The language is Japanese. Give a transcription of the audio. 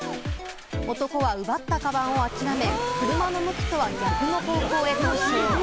男は奪ったカバンを諦め、車の向きとは逆の方向へ逃走。